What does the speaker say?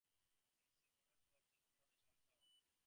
All bus and rail services were temporarily shut down in the city.